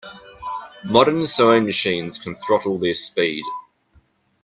Modern sewing machines can throttle their speed.